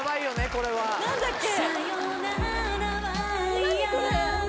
これ・何だっけ？